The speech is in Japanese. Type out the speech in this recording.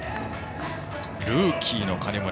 ルーキーの金村。